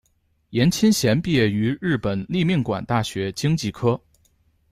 颜钦贤毕业于日本立命馆大学经济科。